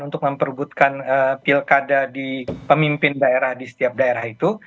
untuk memperbutkan pilkada di pemimpin daerah di setiap daerah itu